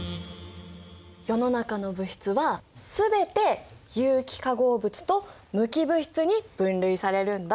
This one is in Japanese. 世の中の物質は全て有機化合物と無機物質に分類されるんだ。